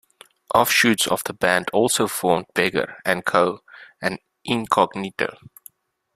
Offshoots of the band also formed Beggar and Co and Incognito.